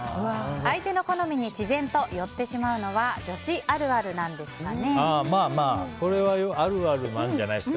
相手の好みに自然と寄ってしまうのは女子あるあるなんですかね。